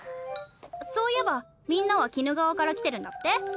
そういえばみんなは鬼怒川から来てるんだって？